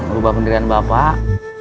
perubah pendirian bapak